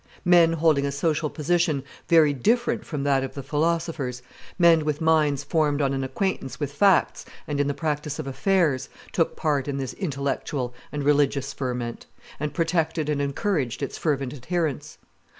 Men holding a social position very different from that of the philosophers, men with minds formed on an acquaintance with facts and in the practice of affairs, took part in this intellectual and religious ferment, and protected and encouraged its fervent adherents.